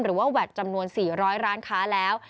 หรือว่าแวดจำนวน๔๐๐ร้านค้าแล้ว